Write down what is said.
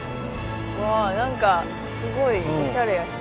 何かすごいおしゃれやし。